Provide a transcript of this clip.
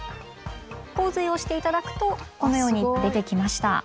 「洪水」を押していただくとこのように出てきました。